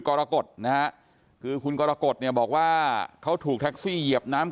กรกฎนะฮะคือคุณกรกฎเนี่ยบอกว่าเขาถูกแท็กซี่เหยียบน้ำ